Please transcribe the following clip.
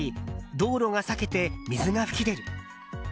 道路が避けて水が噴き出る。